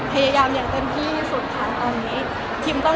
พยายามอย่างเต็มที่สุดทางตอนนี้